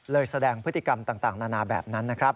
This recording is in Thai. แสดงพฤติกรรมต่างนานาแบบนั้นนะครับ